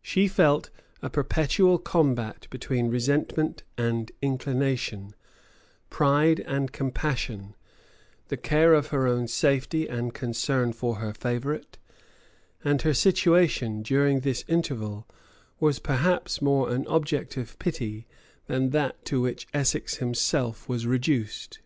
She felt a perpetual combat between resentment and inclination, pride and compassion, the care of her own safety and concern for her favorite; and her situation, during this interval, was perhaps more an object of pity than that to which Essex himself was reduced.